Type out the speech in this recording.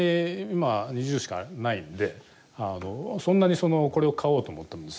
今２０しかないんでそんなにこれを買おうと思ってもですね